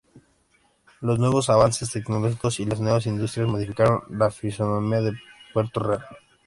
Los nuevos avances tecnológicos y las nuevas industrias modificaron la fisonomía de Puerto Real.